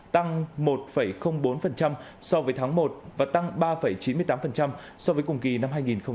tăng một bốn so với tháng một và tăng ba chín mươi tám so với cùng kỳ năm hai nghìn một mươi chín